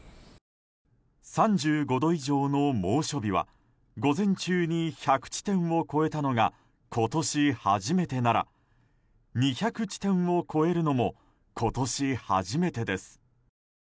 ３５度以上の猛暑日は午前中に１００地点を超えたのが今年初めてなら２００地点を超えるのも今年初めてです。